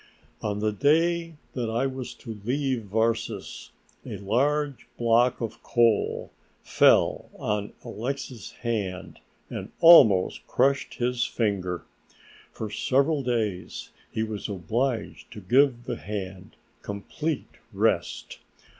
On the day that I was to leave Varses a large block of coal fell on Alexix's hand and almost crushed his finger. For several days he was obliged to give the hand complete rest.